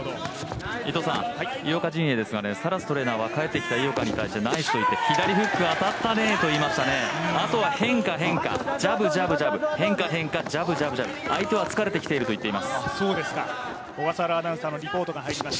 井岡陣営ですが、サラストレーナーは帰ってきた井岡に対してナイス、左フック当たったなと言いましたね、変化、変化、ジャブジャブ、変化、変化、ジャブジャブジャブ相手は疲れてきていると言っています。